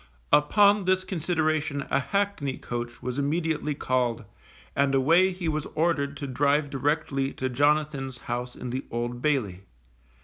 Upon this consideration a hackney coach was immediately called, and away he was ordered to drive directly to Jonathan's house in the Old Bailey.